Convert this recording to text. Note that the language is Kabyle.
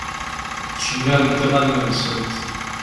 Ttcemmiṛent iɣallen-nsent.